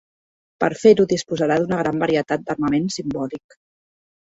Per fer-ho disposarà d'una gran varietat d'armament simbòlic.